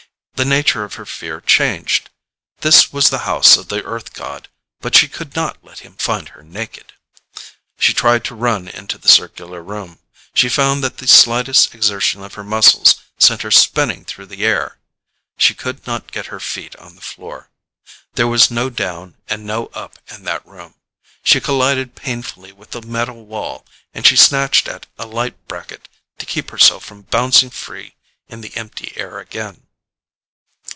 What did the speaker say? The nature of her fear changed. This was the house of the Earth god, but she could not let him find her naked. She tried to run into the circular room. She found that the slightest exertion of her muscles sent her spinning through the air. She could not get her feet on the floor. There was no down and no up in that room. She collided painfully with the metal wall and she snatched at a light bracket to keep herself from bouncing free in the empty air again.